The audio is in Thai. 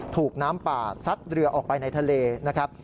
ถูกน้ำป่าซัดเรือออกไปในทะเลนะครับ